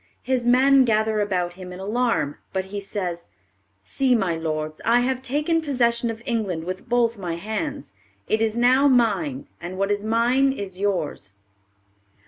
His men gather about him in alarm, but he says, "See, my lords, I have taken possession of England with both my hands. It is now mine, and what is mine is yours."